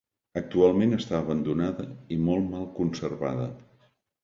Actualment està abandonada i molt mal conservada.